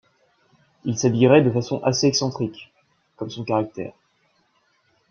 Il s'habillerait de façon assez excentrique - comme son caractère.